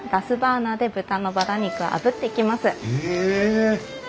へえ！